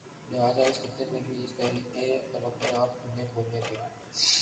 لہٰذا اس خطے میں بھی اس تحریک کے پنپنے اور پھلنے پھولنے کے